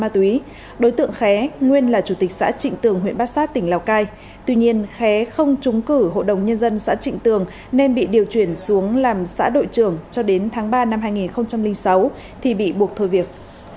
tuy nhiên khé không trúng cử hộ đồng nhân dân xã trịnh tường nên bị điều chuyển xuống làm xã đội trưởng cho đến tháng ba năm hai nghìn sáu thì bị buộc thôi việc